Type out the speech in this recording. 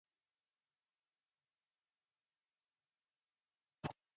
Plague's immune system made her essentially immune to all known diseases.